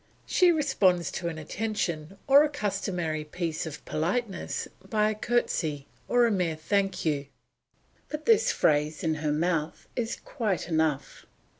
She responds to an attention or a customary piece of politeness by a courtesy or a mere "Thank you;" but this phrase in her mouth is quite enough.